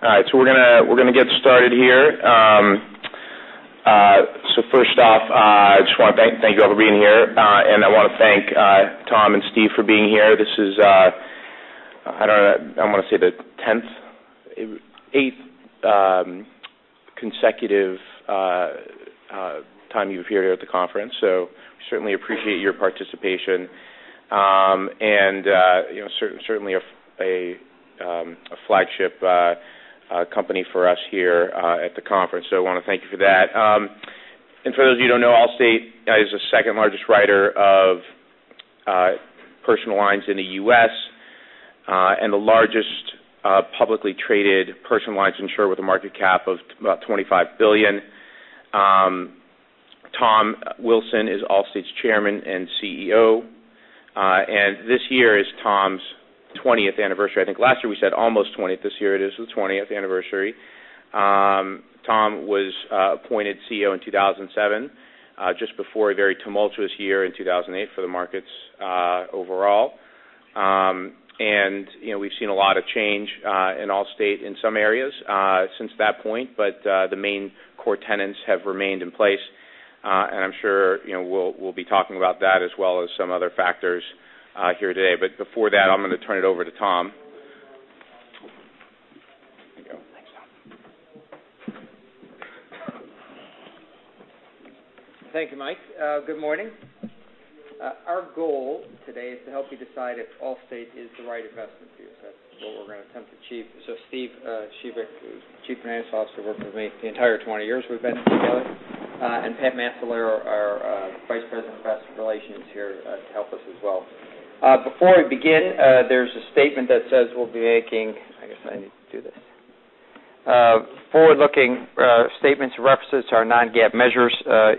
All right. We're going to get started here. First off, I just want to thank you all for being here. I want to thank Tom and Steve for being here. This is, I want to say the 10th, eighth consecutive time you've appeared here at the conference. We certainly appreciate your participation. Certainly a flagship company for us here at the conference. I want to thank you for that. For those of you who don't know, Allstate is the second largest writer of personal lines in the U.S., and the largest publicly traded personal lines insurer with a market cap of about $25 billion. Tom Wilson is Allstate's Chairman and CEO. This year is Tom's 20th anniversary. I think last year we said almost 20th. This year it is the 20th anniversary. Tom was appointed CEO in 2007, just before a very tumultuous year in 2008 for the markets overall. We've seen a lot of change in Allstate in some areas since that point. The main core tenants have remained in place. I'm sure we'll be talking about that as well as some other factors here today. Before that, I'm going to turn it over to Tom. There you go. Thanks, Tom. Thank you, Mike. Good morning. Our goal today is to help you decide if Allstate is the right investment for you. That's what we're going to attempt to achieve. Steve Shebik, Chief Financial Officer, worked with me the entire 20 years we've been together. Pat Macellaro, our Vice President of Investor Relations, is here to help us as well. Before we begin, there's a statement that says we'll be making, I guess I need to do this. Forward-looking statements references to our non-GAAP measures.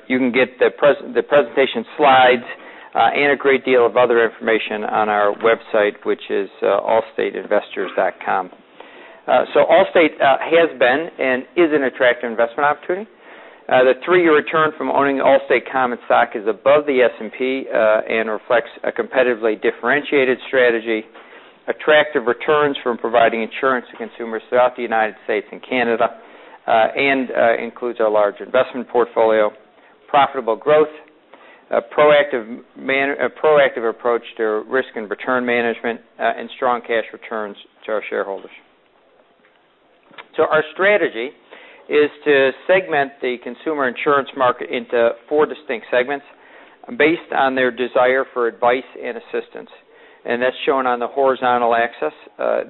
You can get the presentation slides and a great deal of other information on our website, which is allstateinvestors.com. Allstate has been and is an attractive investment opportunity. The three-year return from owning Allstate common stock is above the S&P, reflects a competitively differentiated strategy, attractive returns from providing insurance to consumers throughout the United States and Canada, includes our large investment portfolio, profitable growth, a proactive approach to risk and return management, and strong cash returns to our shareholders. Our strategy is to segment the consumer insurance market into four distinct segments based on their desire for advice and assistance. That's shown on the horizontal axis.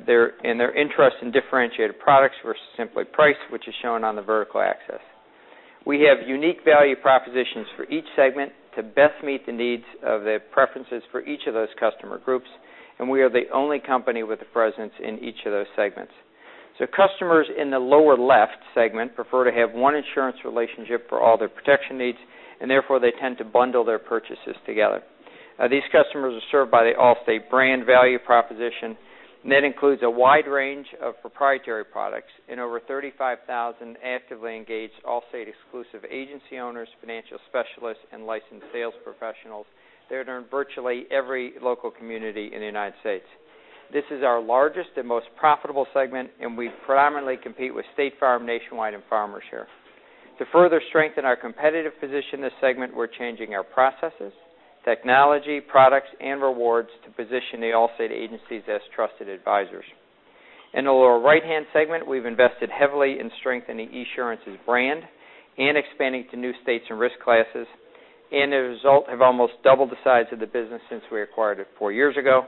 Their interest in differentiated products versus simply price, which is shown on the vertical axis. We have unique value propositions for each segment to best meet the needs of the preferences for each of those customer groups, we are the only company with a presence in each of those segments. Customers in the lower left segment prefer to have one insurance relationship for all their protection needs, and therefore, they tend to bundle their purchases together. These customers are served by the Allstate brand value proposition, and that includes a wide range of proprietary products in over 35,000 actively engaged Allstate exclusive agency owners, financial specialists, and licensed sales professionals. They're in virtually every local community in the U.S. This is our largest and most profitable segment, and we predominantly compete with State Farm, Nationwide, and Farmers here. To further strengthen our competitive position in this segment, we're changing our processes, technology, products, and rewards to position the Allstate agencies as trusted advisors. In the lower right-hand segment, we've invested heavily in strengthening Esurance's brand and expanding to new states and risk classes. As a result, have almost doubled the size of the business since we acquired it four years ago.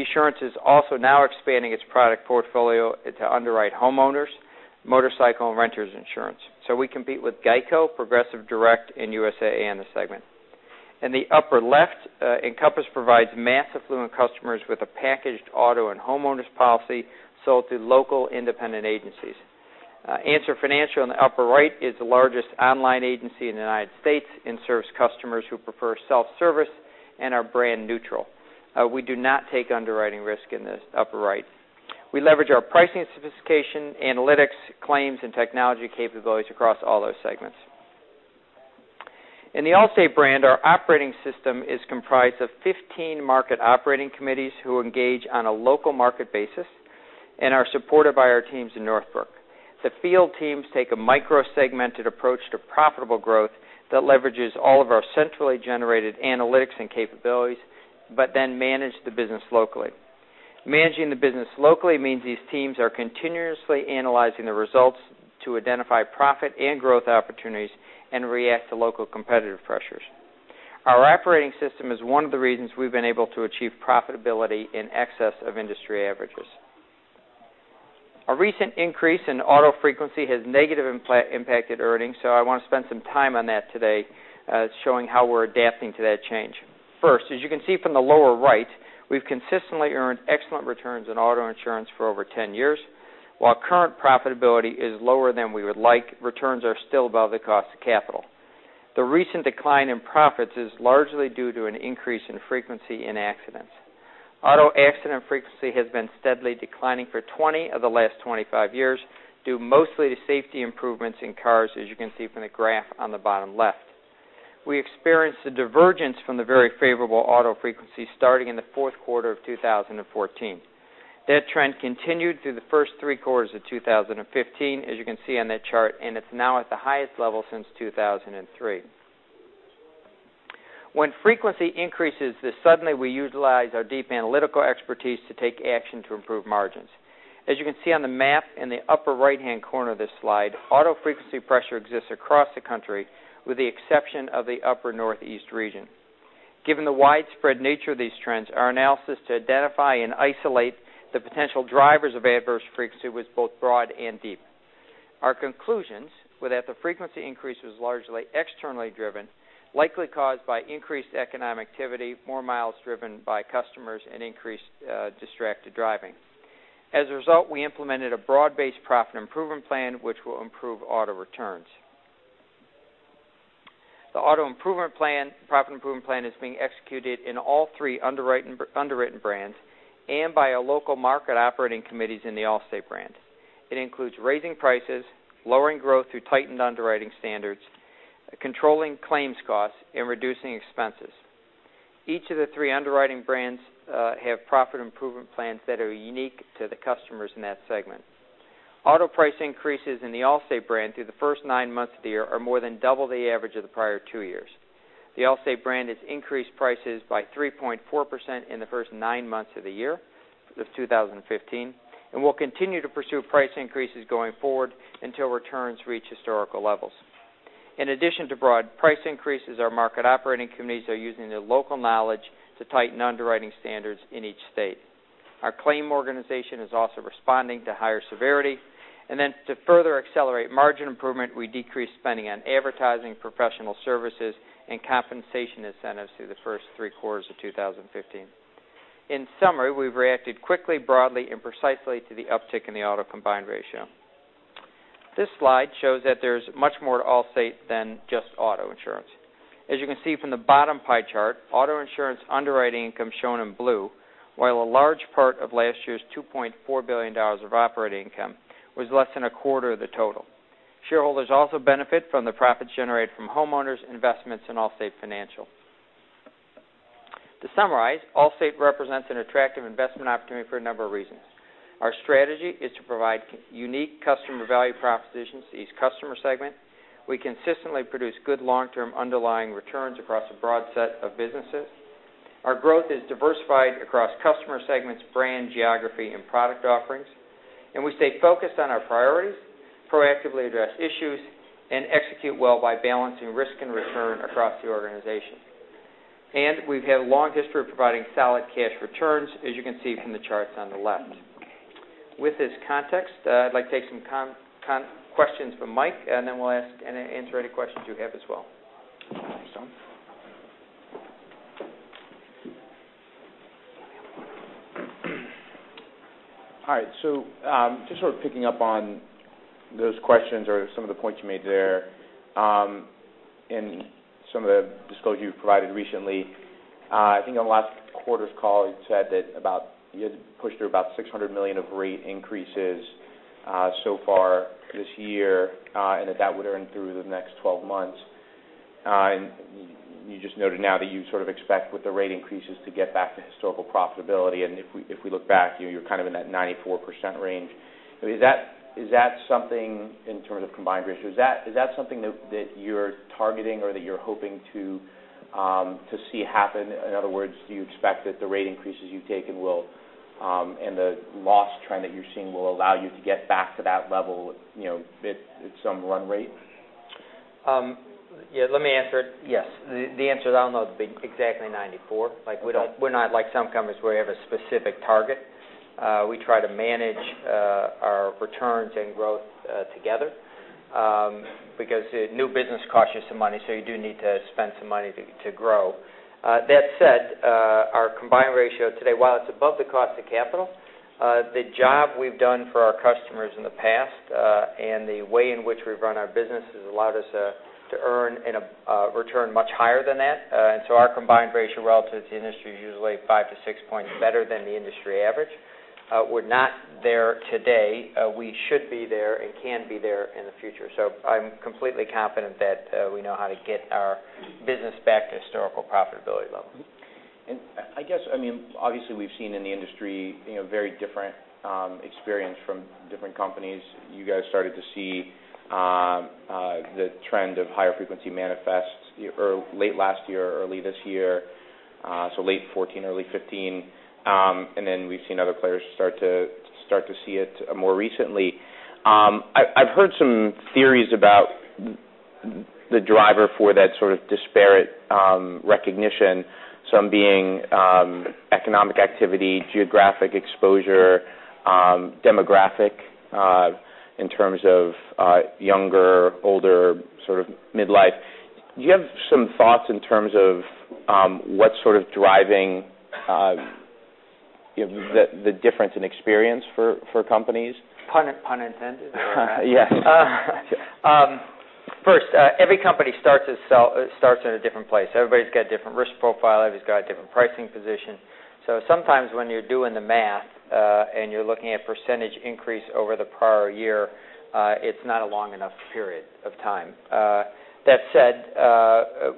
Esurance is also now expanding its product portfolio to underwrite homeowners insurance, motorcycle insurance, and renters insurance. We compete with GEICO, Progressive, Direct, and USAA in this segment. In the upper left, Encompass provides mass affluent customers with a packaged auto and homeowners policy sold through local independent agencies. Answer Financial in the upper right is the largest online agency in the U.S. and serves customers who prefer self-service and are brand neutral. We do not take underwriting risk in this upper right. We leverage our pricing sophistication, analytics, claims, and technology capabilities across all those segments. In the Allstate brand, our operating system is comprised of 15 market operating committees who engage on a local market basis and are supported by our teams in Northbrook. The field teams take a micro-segmented approach to profitable growth that leverages all of our centrally generated analytics and capabilities, manage the business locally. Managing the business locally means these teams are continuously analyzing the results to identify profit and growth opportunities and react to local competitive pressures. Our operating system is one of the reasons we've been able to achieve profitability in excess of industry averages. A recent increase in auto frequency has negatively impacted earnings, I want to spend some time on that today, showing how we're adapting to that change. First, as you can see from the lower right, we've consistently earned excellent returns in auto insurance for over 10 years. While current profitability is lower than we would like, returns are still above the cost of capital. The recent decline in profits is largely due to an increase in frequency in accidents. Auto accident frequency has been steadily declining for 20 of the last 25 years, due mostly to safety improvements in cars, as you can see from the graph on the bottom left. We experienced a divergence from the very favorable auto frequency starting in the fourth quarter of 2014. That trend continued through the first 3 quarters of 2015, as you can see on that chart, it's now at the highest level since 2003. When frequency increases, suddenly we utilize our deep analytical expertise to take action to improve margins. As you can see on the map in the upper right-hand corner of this slide, auto frequency pressure exists across the country with the exception of the upper Northeast region. Given the widespread nature of these trends, our analysis to identify and isolate the potential drivers of adverse frequency was both broad and deep. Our conclusions were that the frequency increase was largely externally driven, likely caused by increased economic activity, more miles driven by customers, and increased distracted driving. As a result, we implemented a broad-based profit improvement plan which will improve auto returns. The auto profit improvement plan is being executed in all three underwritten brands and by our local market operating committees in the Allstate brand. It includes raising prices, lowering growth through tightened underwriting standards, controlling claims costs, and reducing expenses. Each of the three underwriting brands have profit improvement plans that are unique to the customers in that segment. Auto price increases in the Allstate brand through the first nine months of the year are more than double the average of the prior two years. The Allstate brand has increased prices by 3.4% in the first nine months of the year, of 2015, and will continue to pursue price increases going forward until returns reach historical levels. In addition to broad price increases, our market operating committees are using their local knowledge to tighten underwriting standards in each state. Our claim organization is also responding to higher severity. To further accelerate margin improvement, we decreased spending on advertising, professional services, and compensation incentives through the first three quarters of 2015. In summary, we've reacted quickly, broadly, and precisely to the uptick in the auto combined ratio. This slide shows that there's much more to Allstate than just auto insurance. As you can see from the bottom pie chart, auto insurance underwriting income shown in blue, while a large part of last year's $2.4 billion of operating income was less than a quarter of the total. Shareholders also benefit from the profits generated from homeowners, investments, and Allstate Financial. To summarize, Allstate represents an attractive investment opportunity for a number of reasons. Our strategy is to provide unique customer value propositions to each customer segment. We consistently produce good long-term underlying returns across a broad set of businesses. Our growth is diversified across customer segments, brand, geography, and product offerings, we stay focused on our priorities, proactively address issues, and execute well by balancing risk and return across the organization. We've had a long history of providing solid cash returns, as you can see from the charts on the left. With this context, I'd like to take some questions from Michael, then we'll answer any questions you have as well. Thanks, Tom. All right. Just sort of picking up on those questions or some of the points you made there, in some of the disclosure you've provided recently, I think on last quarter's call, you'd said that about, you had pushed through about $600 million of rate increases so far this year, and that that would earn through the next 12 months. You just noted now that you sort of expect with the rate increases to get back to historical profitability, and if we look back, you're kind of in that 94% range. Is that something, in terms of combined ratios, is that something that you're targeting or that you're hoping to see happen? In other words, do you expect that the rate increases you've taken will, and the loss trend that you're seeing will allow you to get back to that level at some run rate? Yeah, let me answer it. Yes. The answer is I don't know it'll be exactly 94. We're not like some companies where we have a specific target. We try to manage our returns and growth together, because new business costs you some money, you do need to spend some money to grow. That said, our combined ratio today, while it's above the cost of capital, the job we've done for our customers in the past, and the way in which we've run our business has allowed us to earn in a return much higher than that. Our combined ratio relative to the industry is usually five to six points better than the industry average. We're not there today. We should be there and can be there in the future. I'm completely confident that we know how to get our business back to historical profitability levels. I guess, obviously, we've seen in the industry very different experience from different companies. You guys started to see the trend of higher frequency manifest late last year or early this year, late 2014, early 2015. We've seen other players start to see it more recently. I've heard some theories about the driver for that sort of disparate recognition, some being economic activity, geographic exposure, demographic in terms of younger, older, sort of midlife. Do you have some thoughts in terms of what's sort of driving the difference in experience for companies? Pun intended there. Yes. First, every company starts in a different place. Everybody's got a different risk profile. Everybody's got a different pricing position. Sometimes when you're doing the math, you're looking at percentage increase over the prior year, it's not a long enough period of time. That said,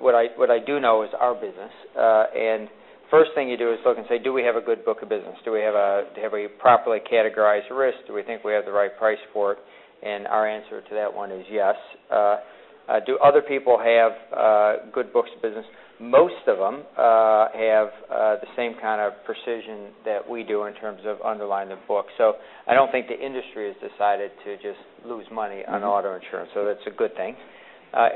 what I do know is our business. First thing you do is look and say, do we have a good book of business? Do we have a properly categorized risk? Do we think we have the right price for it? Our answer to that one is yes. Do other people have good books of business? Most of them have the same kind of precision that we do in terms of underwriting the book. I don't think the industry has decided to just lose money on auto insurance. That's a good thing.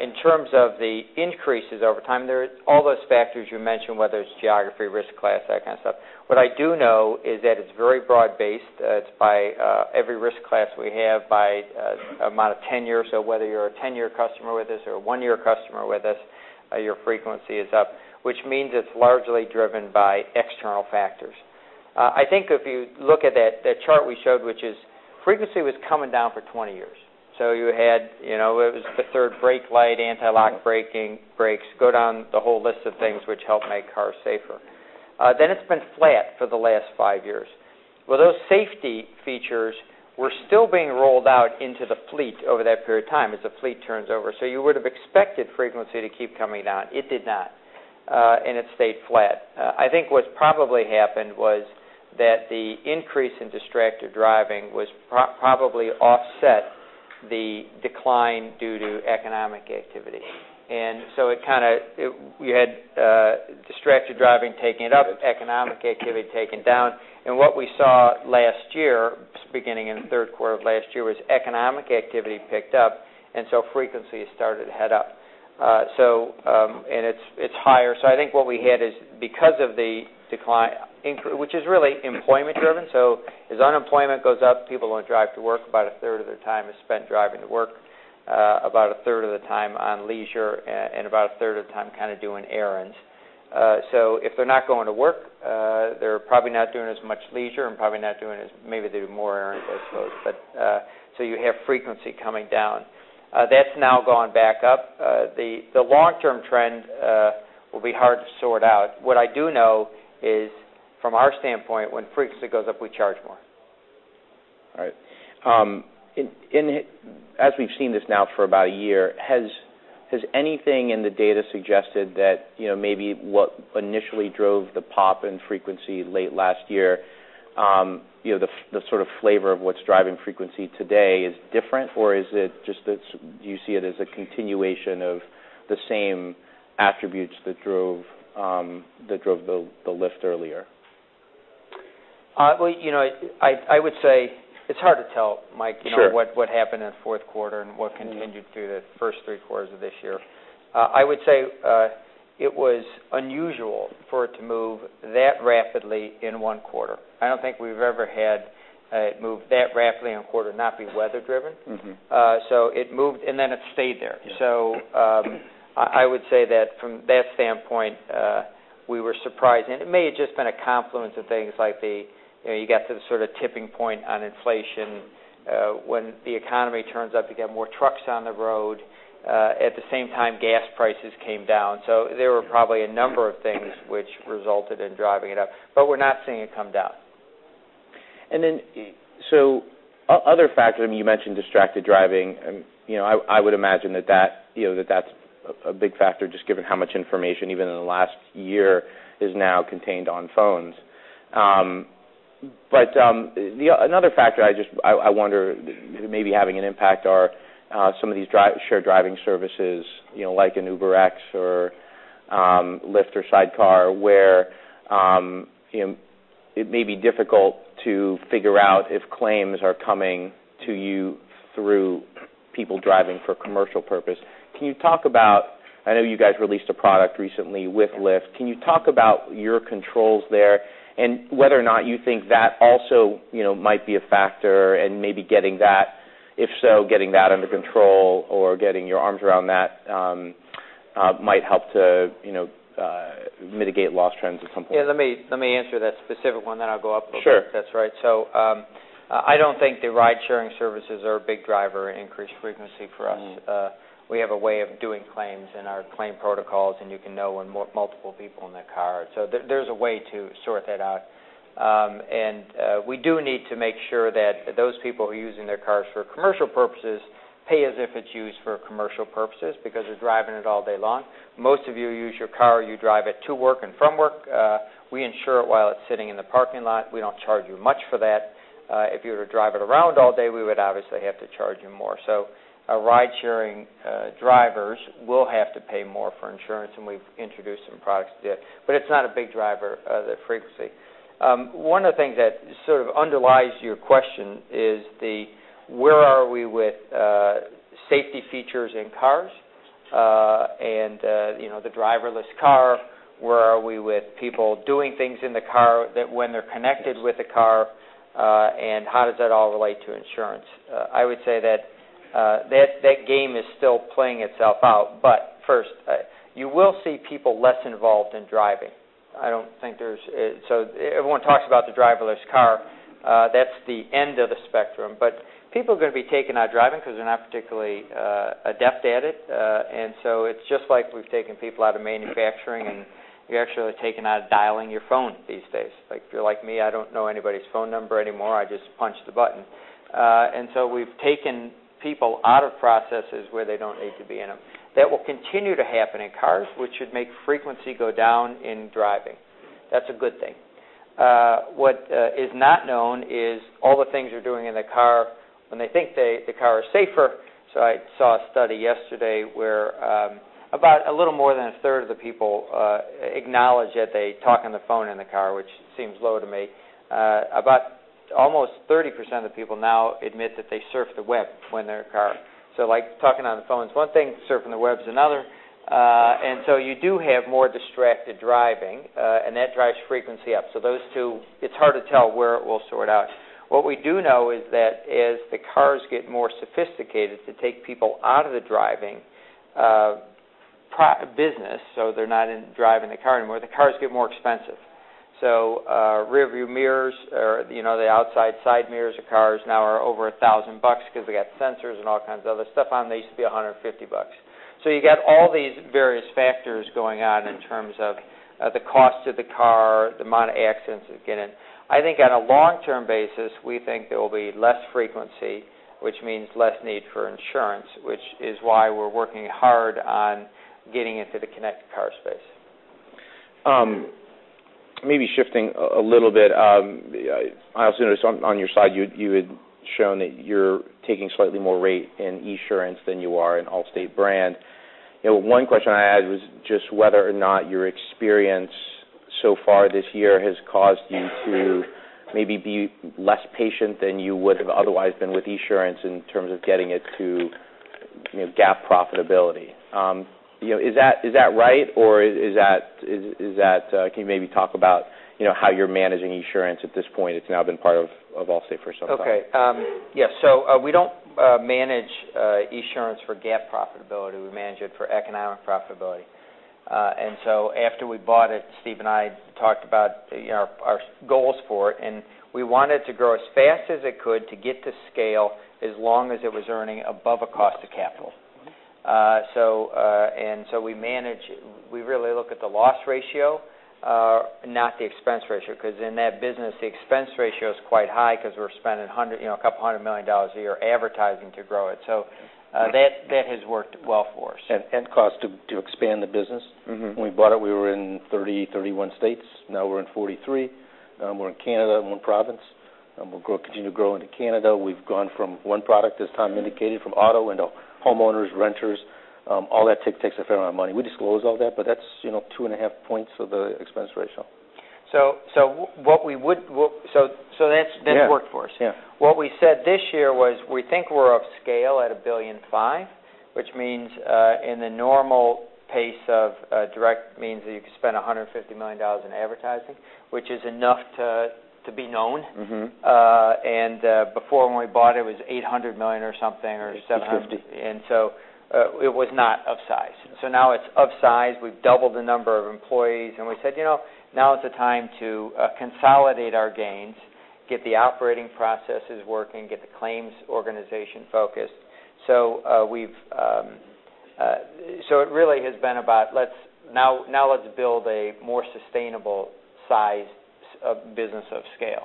In terms of the increases over time, there are all those factors you mentioned, whether it's geography, risk class, that kind of stuff. What I do know is that it's very broad based. It's by every risk class we have by amount of tenure. Whether you're a 10 year customer with us or a one year customer with us, your frequency is up, which means it's largely driven by external factors. I think if you look at that chart we showed, which is frequency was coming down for 20 years. You had the third brake light, anti-lock braking brakes, go down the whole list of things which help make cars safer. It's been flat for the last five years. Well, those safety features were still being rolled out into the fleet over that period of time as the fleet turns over. You would have expected frequency to keep coming down. It did not. It stayed flat. I think what's probably happened was that the increase in distracted driving probably offset the decline due to economic activity. You had distracted driving taking it up, economic activity taking down. What we saw last year, beginning in the third quarter of last year, was economic activity picked up, frequency started to head up. It's higher. I think what we had is because of the decline, which is really employment driven. As unemployment goes up, people don't drive to work. About a third of their time is spent driving to work, about a third of the time on leisure, and about a third of the time kind of doing errands. If they're not going to work, they're probably not doing as much leisure and probably not doing as maybe they do more errands, I suppose. You have frequency coming down. That's now gone back up. The long term trend will be hard to sort out. What I do know is from our standpoint, when frequency goes up, we charge more. All right. As we've seen this now for about a year, has anything in the data suggested that maybe what initially drove the pop in frequency late last year, the sort of flavor of what's driving frequency today is different? Do you see it as a continuation of the same attributes that drove the lift earlier? I would say it's hard to tell, Mike. Sure what happened in the fourth quarter and what continued through the first three quarters of this year. I would say it was unusual for it to move that rapidly in one quarter. I don't think we've ever had it move that rapidly in one quarter, not be weather driven. It moved, and then it stayed there. Yeah. I would say that from that standpoint, we were surprised. It may have just been a confluence of things like the, you got some sort of tipping point on inflation. When the economy turns up, you get more trucks on the road. At the same time, gas prices came down. There were probably a number of things which resulted in driving it up. We're not seeing it come down. Other factors, you mentioned distracted driving. I would imagine that that's a big factor just given how much information, even in the last year, is now contained on phones. Another factor I wonder maybe having an impact are some of these shared driving services like an UberX or Lyft or Sidecar, where it may be difficult to figure out if claims are coming to you through people driving for commercial purpose. I know you guys released a product recently with Lyft. Can you talk about your controls there and whether or not you think that also might be a factor and maybe getting that, if so, getting that under control or getting your arms around that might help to mitigate loss trends at some point? Yeah, let me answer that specific one, then I'll go up a little bit. Sure. If that's all right. I don't think the ride sharing services are a big driver in increased frequency for us. We have a way of doing claims in our claim protocols. You can know when multiple people in that car. There's a way to sort that out. We do need to make sure that those people who are using their cars for commercial purposes pay as if it's used for commercial purposes because they're driving it all day long. Most of you use your car, you drive it to work and from work. We insure it while it's sitting in the parking lot. We don't charge you much for that. If you were to drive it around all day, we would obviously have to charge you more. Ride sharing drivers will have to pay more for insurance, and we've introduced some products to do it. It's not a big driver of the frequency. One of the things that sort of underlies your question is where are we with safety features in cars? The driverless car, where are we with people doing things in the car when they're connected with the car, how does that all relate to insurance? I would say that that game is still playing itself out. First, you will see people less involved in driving. I don't think there's. Everyone talks about the driverless car. That's the end of the spectrum. People are going to be taken out of driving because they're not particularly adept at it. It's just like we've taken people out of manufacturing. You're actually taken out of dialing your phone these days. If you're like me, I don't know anybody's phone number anymore. I just punch the button. We've taken people out of processes where they don't need to be in them. That will continue to happen in cars, which should make frequency go down in driving. That's a good thing. What is not known is all the things you're doing in the car when they think the car is safer. I saw a study yesterday where about a little more than a third of the people acknowledge that they talk on the phone in the car, which seems low to me. About almost 30% of people now admit that they surf the web when they're in a car. Talking on the phone is one thing, surfing the web is another. You do have more distracted driving, and that drives frequency up. Those two, it's hard to tell where it will sort out. What we do know is that as the cars get more sophisticated to take people out of the driving business, they're not in driving the car anymore, the cars get more expensive. Rearview mirrors or the outside side mirrors of cars now are over $1,000 because they got sensors and all kinds of other stuff on them. They used to be $150. You got all these various factors going on in terms of the cost of the car, the amount of accidents they get in. I think on a long-term basis, we think there will be less frequency, which means less need for insurance, which is why we're working hard on getting into the connected car space. Maybe shifting a little bit. I also noticed on your side, you had shown that you're taking slightly more rate in Esurance than you are in Allstate brand. One question I had was just whether or not your experience so far this year has caused you to maybe be less patient than you would have otherwise been with Esurance in terms of getting it to GAAP profitability. Is that right, or can you maybe talk about how you're managing Esurance at this point? It's now been part of Allstate for some time. We don't manage Esurance for GAAP profitability. We manage it for economic profitability. After we bought it, Steve and I talked about our goals for it, and we wanted to grow as fast as it could to get to scale as long as it was earning above a cost of capital. We manage, we really look at the loss ratio, not the expense ratio, because in that business, the expense ratio is quite high because we're spending a couple hundred million dollars a year advertising to grow it. That has worked well for us. Cost to expand the business. When we bought it, we were in 30, 31 states. Now we're in 43. We're in Canada in one province, and we'll continue to grow into Canada. We've gone from one product, as Tom indicated, from auto into homeowners, renters. All that takes a fair amount of money. We disclose all that, but that's two and a half points of the expense ratio. That's worked for us. Yeah. What we said this year was we think we're upscale at $1.5 billion, which means in the normal pace of direct means that you could spend $150 million in advertising, which is enough to be known. Before when we bought it was $800 million or something or $700- $850. It was not upsized. Now it's upsized. We've doubled the number of employees, and we said, now is the time to consolidate our gains, get the operating processes working, get the claims organization focused. It really has been about now let's build a more sustainable size of business of scale.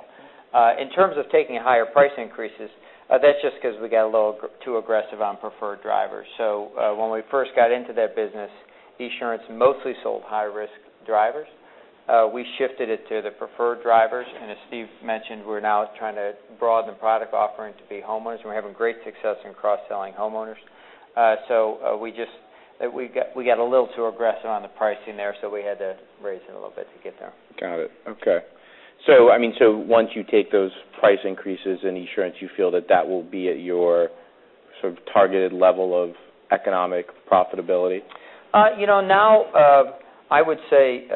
In terms of taking higher price increases, that's just because we got a little too aggressive on preferred drivers. When we first got into that business, Esurance mostly sold high-risk drivers. We shifted it to the preferred drivers, and as Mario mentioned, we're now trying to broaden the product offering to be homeowners. We're having great success in cross-selling homeowners. We got a little too aggressive on the pricing there, so we had to raise it a little bit to get there. Got it. Okay. Once you take those price increases in Esurance, you feel that that will be at your sort of targeted level of economic profitability? I would say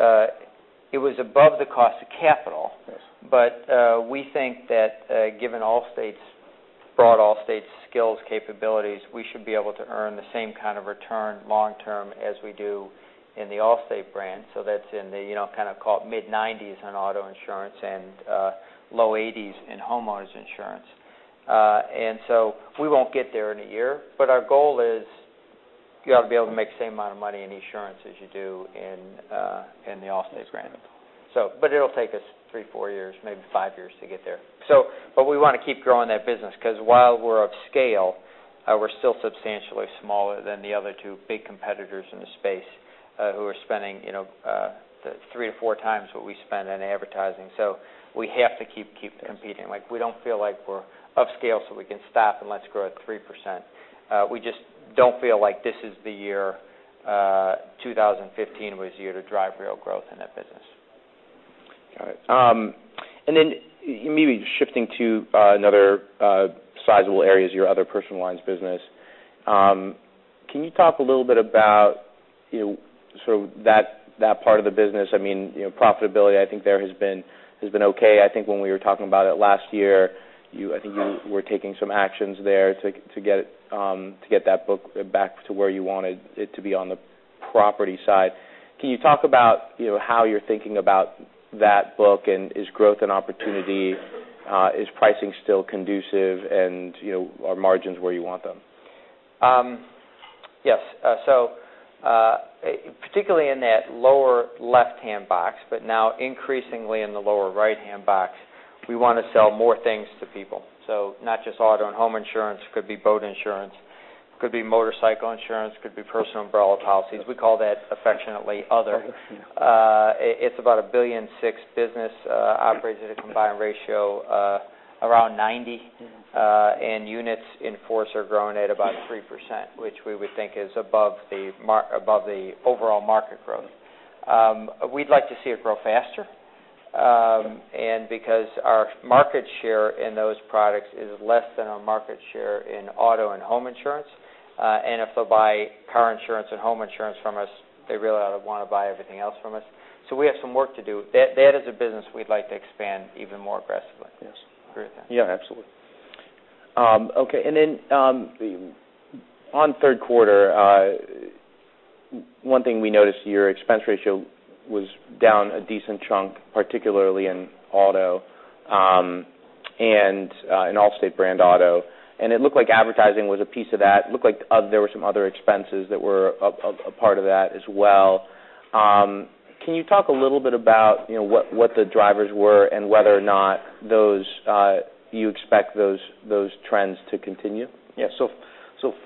it was above the cost of capital. Yes. We think that given Allstate's broad Allstate skills capabilities, we should be able to earn the same kind of return long-term as we do in the Allstate brand. That's in the kind of called mid-'90s on auto insurance and low '80s in homeowners insurance. We won't get there in a year, but our goal is you ought to be able to make the same amount of money in Esurance as you do in the Allstate brand. Yeah. It'll take us three, four years, maybe five years to get there. We want to keep growing that business because while we're of scale, we're still substantially smaller than the other two big competitors in the space who are spending three to four times what we spend in advertising. We have to keep competing. We don't feel like we're of scale, we can stop and let's grow at 3%. We just don't feel like this is the year, 2015 was the year to drive real growth in that business. Got it. Maybe shifting to another sizable area is your other personal lines business. Can you talk a little bit about that part of the business? Profitability, I think there has been okay. I think when we were talking about it last year, I think you were taking some actions there to get that book back to where you wanted it to be on the property side. Can you talk about how you're thinking about that book, and is growth an opportunity? Is pricing still conducive? Are margins where you want them? Yes. Particularly in that lower left-hand box, now increasingly in the lower right-hand box, we want to sell more things to people. Not just auto insurance and home insurance. It could be boat insurance. It could be motorcycle insurance. It could be personal umbrella policies. We call that affectionately other. Other. It's about a $1.6 billion business operates at a combined ratio of around 90%. Units in force are growing at about 3%, which we would think is above the overall market growth. We'd like to see it grow faster, because our market share in those products is less than our market share in auto and home insurance. If they'll buy car insurance and home insurance from us, they really ought to want to buy everything else from us. We have some work to do. That as a business, we'd like to expand even more aggressively. Yes. Agreed then. Yeah, absolutely. On third quarter, one thing we noticed, your expense ratio was down a decent chunk, particularly in auto and in Allstate brand auto, and it looked like advertising was a piece of that. It looked like there were some other expenses that were a part of that as well. Can you talk a little bit about what the drivers were and whether or not you expect those trends to continue? Yeah.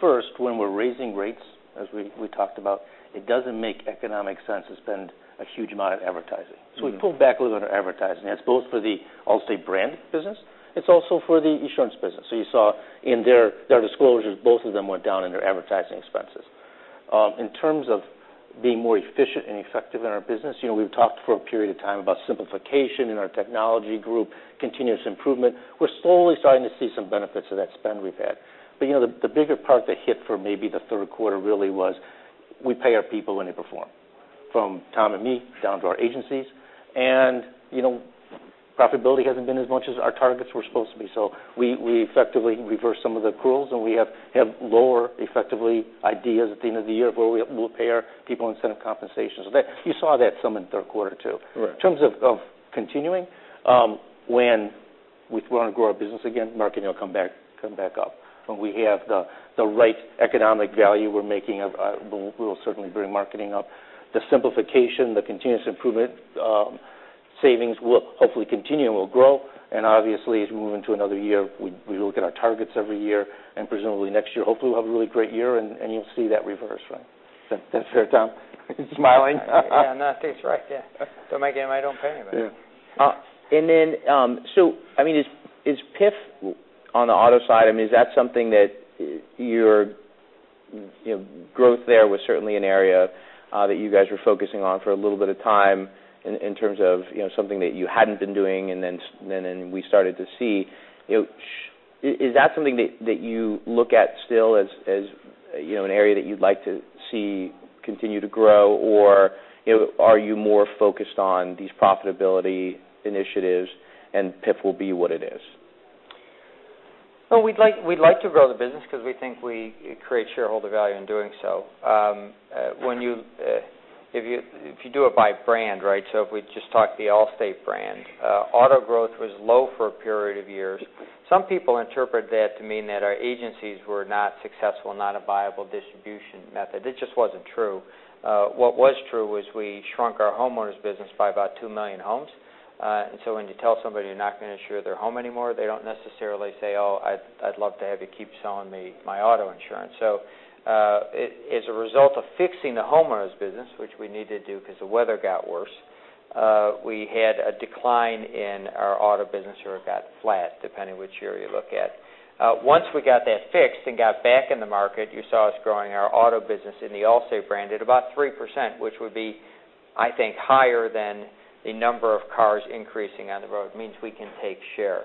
First, when we're raising rates, as we talked about, it doesn't make economic sense to spend a huge amount of advertising. We pulled back a little on our advertising. That's both for the Allstate brand business. It's also for the Esurance business. You saw in their disclosures, both of them went down in their advertising expenses. In terms of being more efficient and effective in our business, we've talked for a period of time about simplification in our technology group, continuous improvement. We're slowly starting to see some benefits of that spend we've had. The bigger part of the hit for maybe the third quarter really was we pay our people when they perform, from Tom and me down to our agencies. Profitability hasn't been as much as our targets were supposed to be. We effectively reversed some of the accruals, and we have lower effectively ideas at the end of the year of where we'll pay our people incentive compensations. You saw that some in third quarter, too. Correct. In terms of continuing, when we want to grow our business again, marketing will come back up. When we have the right economic value we're making, we will certainly bring marketing up. The simplification, the continuous improvement savings will hopefully continue and will grow. Obviously, as we move into another year, we look at our targets every year, and presumably next year, hopefully we'll have a really great year, and you'll see that reverse, right? Is that fair, Tom? He's smiling. I think he's right. I don't pay him enough. Yeah. Is PIF on the auto side, is that something that your growth there was certainly an area that you guys were focusing on for a little bit of time in terms of something that you hadn't been doing, and then we started to see. Is that something that you look at still as an area that you'd like to see continue to grow, or are you more focused on these profitability initiatives, and PIF will be what it is? Well, we'd like to grow the business because we think we create shareholder value in doing so. If you do it by brand, if we just talk the Allstate brand, auto growth was low for a period of years. Some people interpreted that to mean that our agencies were not successful, not a viable distribution method. It just wasn't true. What was true was we shrunk our homeowners business by about 2 million homes. When you tell somebody you're not going to insure their home anymore, they don't necessarily say, "Oh, I'd love to have you keep selling me my auto insurance." As a result of fixing the homeowners business, which we needed to do because the weather got worse, we had a decline in our auto business, or it got flat, depending which year you look at. Once we got that fixed and got back in the market, you saw us growing our auto business in the Allstate brand at about 3%, which would be, I think, higher than the number of cars increasing on the road. It means we can take share.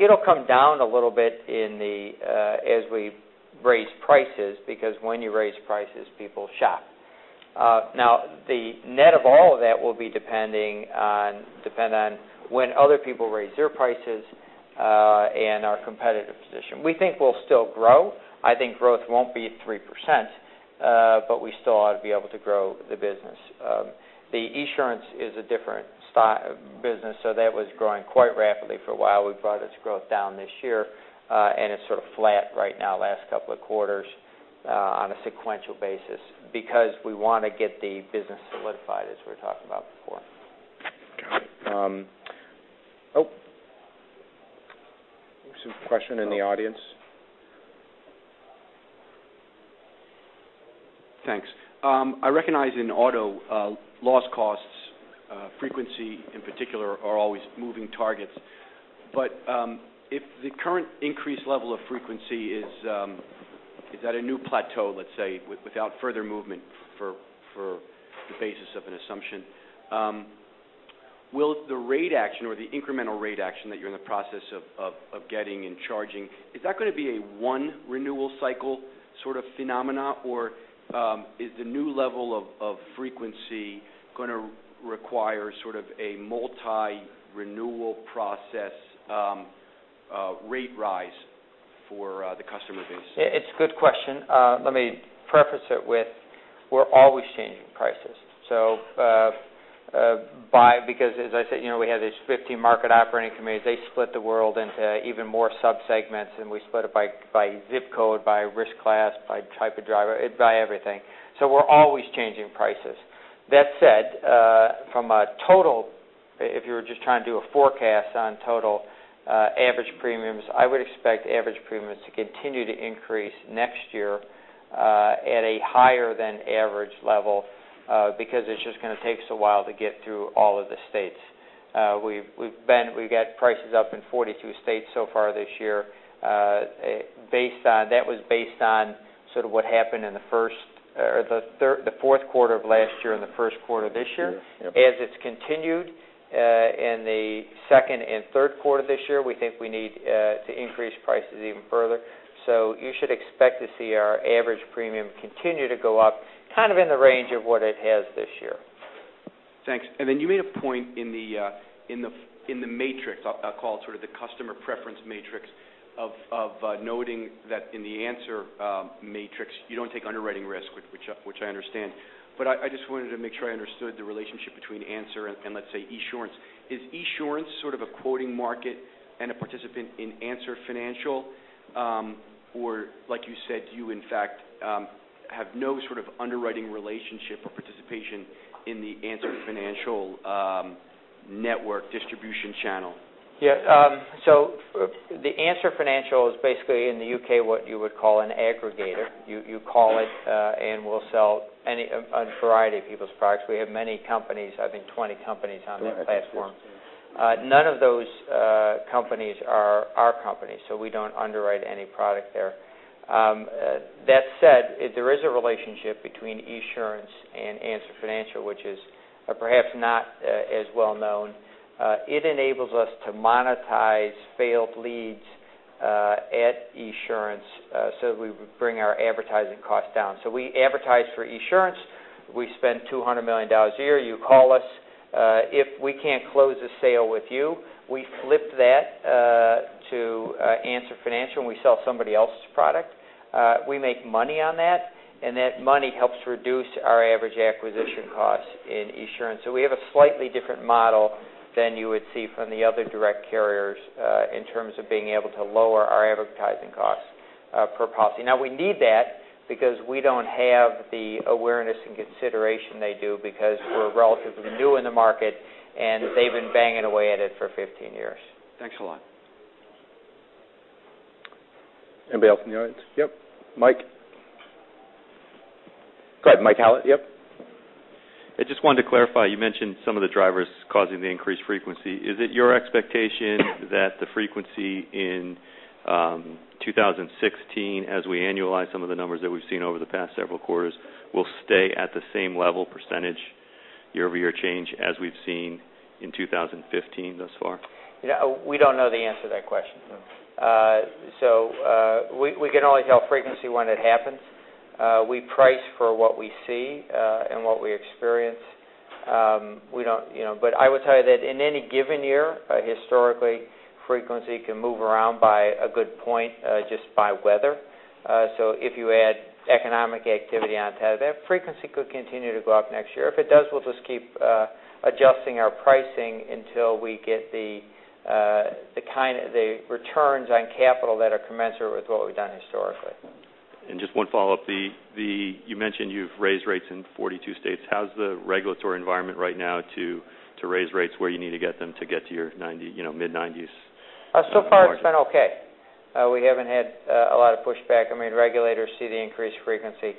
It'll come down a little bit as we raise prices because when you raise prices, people shop. The net of all of that will depend on when other people raise their prices and our competitive position. We think we'll still grow. I think growth won't be at 3%, but we still ought to be able to grow the business. Esurance is a different business. That was growing quite rapidly for a while. We brought its growth down this year, it's sort of flat right now, last couple of quarters, on a sequential basis because we want to get the business solidified as we were talking about before. Got it. There's a question in the audience. Thanks. I recognize in auto loss costs, frequency in particular are always moving targets. If the current increased level of frequency is at a new plateau, let's say, without further movement for the basis of an assumption, will the rate action or the incremental rate action that you're in the process of getting and charging, is that going to be a one renewal cycle sort of phenomena, or is the new level of frequency going to require sort of a multi-renewal process rate rise? For the customer base It's a good question. Let me preface it with we're always changing prices. As I said, we have these [50 Market Operating Committees]. They split the world into even more sub-segments, and we split it by ZIP code, by risk class, by type of driver, by everything. We're always changing prices. That said, from a total, if you were just trying to do a forecast on total average premiums, I would expect average premiums to continue to increase next year at a higher than average level, because it's just going to take us a while to get through all of the states. We've got prices up in 42 states so far this year. That was based on sort of what happened in the fourth quarter of last year and the first quarter this year. Yeah. As it's continued in the second and third quarter this year, we think we need to increase prices even further. You should expect to see our average premium continue to go up kind of in the range of what it has this year. Thanks. You made a point in the matrix, I'll call it sort of the customer preference matrix, of noting that in the Answer Financial, you don't take underwriting risk, which I understand. I just wanted to make sure I understood the relationship between Answer and let's say, Esurance. Is Esurance sort of a quoting market and a participant in Answer Financial? Or like you said, do you in fact have no sort of underwriting relationship or participation in the Answer Financial network distribution channel? Yeah. The Answer Financial is basically in the U.K. what you would call an aggregator. You call it, and we'll sell a variety of people's products. We have many companies, I think 20 companies on that platform. None of those companies are our companies, so we don't underwrite any product there. That said, there is a relationship between Esurance and Answer Financial, which is perhaps not as well known. It enables us to monetize failed leads at Esurance so that we bring our advertising cost down. We advertise for Esurance. We spend $200 million a year. You call us. If we can't close a sale with you, we flip that to Answer Financial, and we sell somebody else's product. We make money on that, and that money helps reduce our average acquisition cost in Esurance. We have a slightly different model than you would see from the other direct carriers in terms of being able to lower our advertising costs per policy. Now we need that because we don't have the awareness and consideration they do because we're relatively new in the market, and they've been banging away at it for 15 years. Thanks a lot. Anybody else from the audience? Yep, Mike. Go ahead, Michael Hallatt. Yep. I just wanted to clarify, you mentioned some of the drivers causing the increased frequency. Is it your expectation that the frequency in 2016, as we annualize some of the numbers that we've seen over the past several quarters, will stay at the same level percentage year-over-year change as we've seen in 2015 thus far? We don't know the answer to that question. No. We can only tell frequency when it happens. We price for what we see and what we experience. I would tell you that in any given year, historically, frequency can move around by a good point just by weather. If you add economic activity on top of that, frequency could continue to go up next year. If it does, we'll just keep adjusting our pricing until we get the returns on capital that are commensurate with what we've done historically. Just one follow-up. You mentioned you've raised rates in 42 states. How's the regulatory environment right now to raise rates where you need to get them to get to your mid-90s? So far it's been okay. We haven't had a lot of pushback. I mean, regulators see the increased frequency.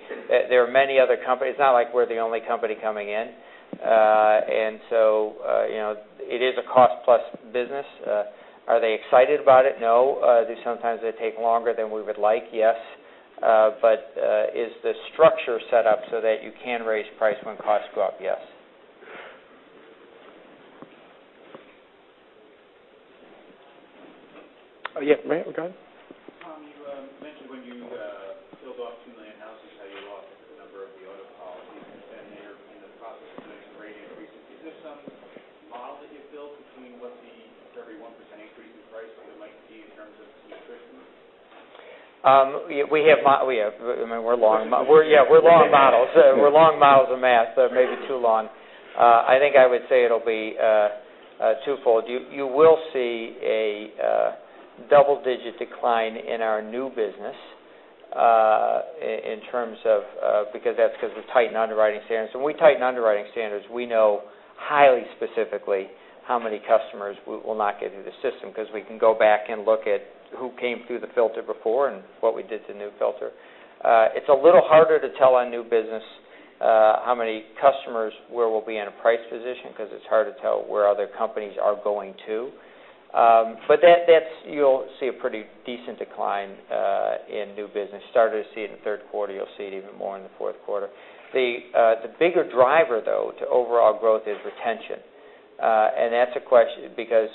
There are many other companies. It's not like we're the only company coming in. It is a cost plus business. Are they excited about it? No. Do sometimes they take longer than we would like? Yes. Is the structure set up so that you can raise price when costs go up? Yes. Yeah, go ahead. Tom, you mentioned when you build up 2 million houses, how you lost a number of the auto policies, they're in the process of doing a rate increase. Is there some model that you've built between what the, for every 1% increase in price, what it might be in terms of attrition? We have models. Yeah, we're long models of math. They may be too long. I think I would say it'll be twofold. You will see a double-digit decline in our new business because that's because we've tightened underwriting standards. When we tighten underwriting standards, we know highly specifically how many customers will not get into the system because we can go back and look at who came through the filter before and what we did to the new filter. It's a little harder to tell on new business how many customers where we'll be in a price position because it's hard to tell where other companies are going, too. You'll see a pretty decent decline in new business. Started to see it in the third quarter. You'll see it even more in the fourth quarter. The bigger driver, though, to overall growth is retention. that's a question because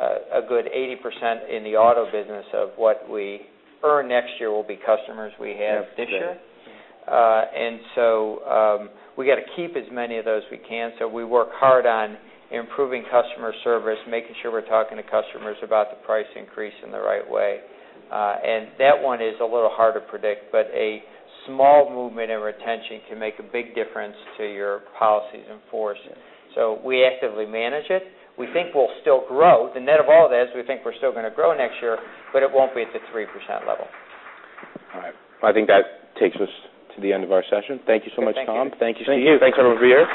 a good 80% in the auto business of what we earn next year will be customers we have this year. Yes. we got to keep as many of those we can. We work hard on improving customer service, making sure we're talking to customers about the price increase in the right way. That one is a little hard to predict, but a small movement in retention can make a big difference to your policies in force. We actively manage it. We think we'll still grow. The net of all of that is we think we're still going to grow next year, but it won't be at the 3% level. All right. I think that takes us to the end of our session. Thank you so much, Tom. Thank you. Thank you, Steve. Thanks, everyone.